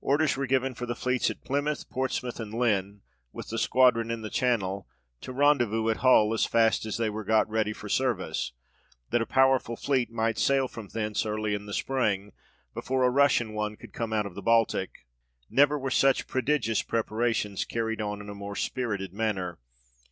Orders were given for the fleets at Plymouth, Ports mouth, and Lynn, with the squadron in the Channel, to rendezvous at Hull, as fast as they were got ready for service, that a powerful fleet might sail from thence early in the spring, before a Russian one could come out of the Baltic. Never were such prodigious preparations carryed on in a more spirited manner.